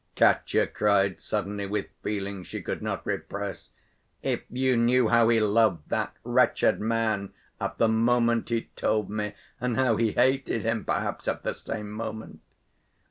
Katya cried suddenly, with feeling she could not repress, "if you knew how he loved that wretched man at the moment he told me, and how he hated him, perhaps, at the same moment.